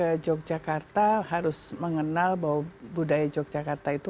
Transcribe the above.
harus mengenal bahwa budaya yogyakarta itu harus mengenal bahwa budaya yogyakarta itu